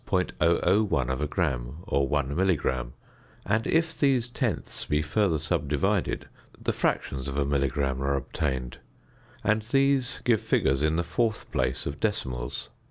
001 gram or 1 milligram, and if these tenths be further subdivided the fractions of a milligram are obtained; and these give figures in the fourth place of decimals.